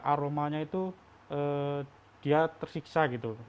aromanya itu dia tersiksa gitu